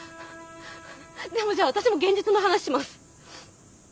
でもじゃあ私も現実の話します。